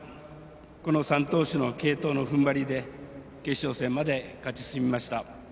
この三投手の継投のふんばりで決勝戦まで勝ち進みました。